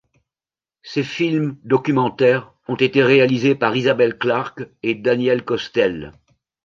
Ces films documentaires ont été réalisés par Isabelle Clarke et Daniel Costelle.